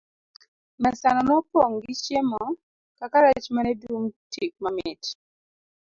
Mesa no nopong' gi chiemo kaka rech mane dum tik mamit.